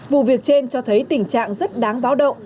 vụ việc trên cho thấy tình trạng rất đáng báo động